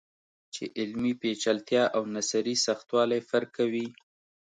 چې علمي پیچلتیا او نثري سختوالی فرق کوي.